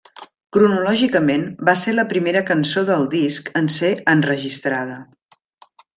Cronològicament, va ser la primera cançó del disc en ser enregistrada.